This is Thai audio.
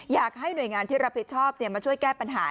อยากให้หน่วยงานที่รับผิดชอบมาช่วยแก้ปัญหา